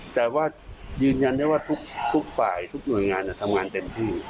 แต่ว่ายืนยันได้ว่าทุกฝ่ายทุกหน่วยงานทำงานเต็มที่